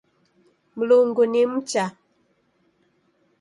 Mlungu ni mcha